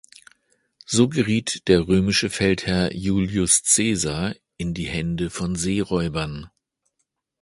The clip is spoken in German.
So geriet der römische Feldherr Julius Caesar in die Hände von Seeräubern.